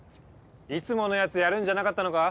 いつものやつやるんじゃなかったのか？